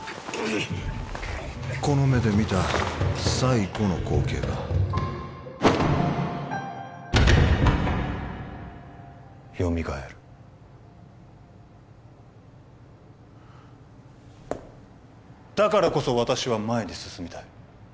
この目で見た最後の光景がよみがえるだからこそ私は前に進みたい